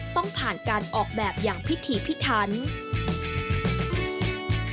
ต้องผ่านการออกแบบอย่างพิธีพิทัน